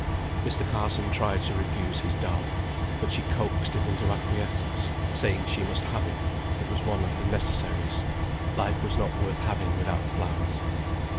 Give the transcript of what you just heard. Mr. Carson tried to refuse his darling, but she coaxed him into acquiescence, saying she must have it, it was one of her necessaries. Life was not worth having without flowers.